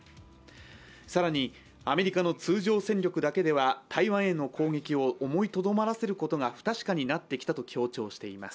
更にアメリカの通常戦力だけでは台湾への攻撃を思いとどまらせることが不確かになってきたと強調しています。